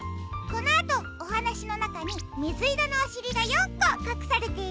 このあとおはなしのなかにみずいろのおしりが４こかくされているよ。